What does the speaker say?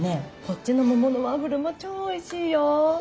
こっちの桃のワッフルも超おいしいよ。